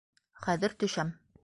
Хәҙер төшәм.